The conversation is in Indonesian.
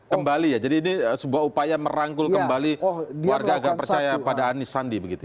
kembali ya jadi ini sebuah upaya merangkul kembali warga agar percaya pada anies sandi begitu ya